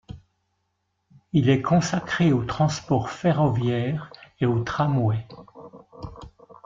Il est consacré au transport ferroviaire et au tramway.